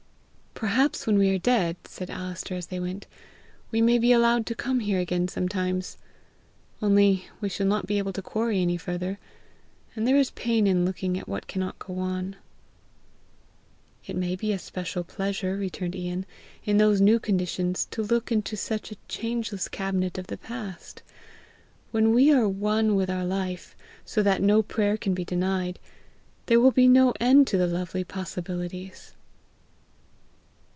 "Perhaps when we are dead," said Alister as they went, "we may be allowed to come here again sometimes! Only we shall not be able to quarry any further, and there is pain in looking on what cannot go on." "It may be a special pleasure," returned Ian, "in those new conditions, to look into such a changeless cabinet of the past. When we are one with our life, so that no prayer can be denied, there will be no end to the lovely possibilities."